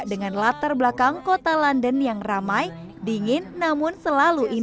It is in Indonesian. dengan latar belakang kota london yang ramai dingin namun selalu indah